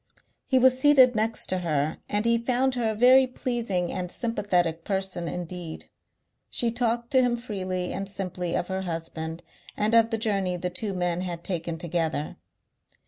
He was seated next to her and he found her a very pleasing and sympathetic person indeed. She talked to him freely and simply of her husband and of the journey the two men had taken together.